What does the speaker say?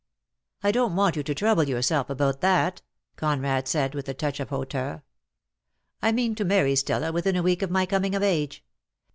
"I don't want you to trouble yourself about that," Conrad said, with a touch of hauteur. "I mean to marry Stella within a week of my coming of age.